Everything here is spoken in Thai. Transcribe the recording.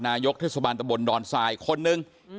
นายกทฤษฐภัณฑ์ตะบนดอนทรายคนหนึ่ง